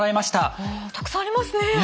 あたくさんありますね。